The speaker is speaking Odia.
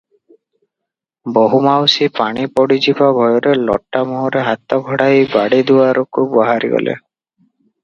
ବୋହୂମାଉସୀ ପାଣି ପଡ଼ିଯିବା ଭୟରେ ଲୋଟା ମୁହଁରେ ହାତ ଘୋଡ଼ାଇ ବାଡ଼ି ଦୁଆରକୁ ବାହାରିଗଲେ ।